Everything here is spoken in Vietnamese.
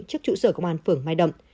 trước trụ sở công an phường mai động